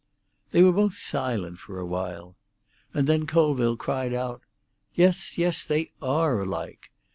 They were both silent for a while, and then Colville cried out, "Yes, yes; they are alike.